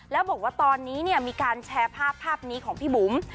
แล้วบอกว่าตอนนี้มีการแชร์ภาพภาพนี้ของพี่บุ๋ม